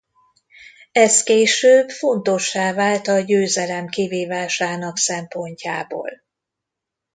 Ez később fontossá vált a győzelem kivívásának szempontjából.